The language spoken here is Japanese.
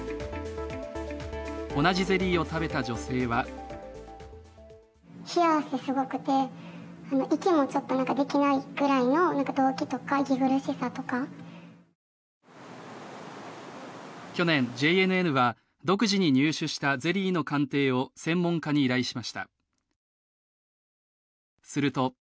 同じゼリーを食べた女性は去年、ＪＮＮは独自に入手したゼリーの鑑定を専門家に依頼しました。